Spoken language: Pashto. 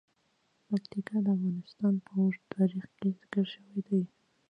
پکتیکا د افغانستان په اوږده تاریخ کې ذکر شوی دی.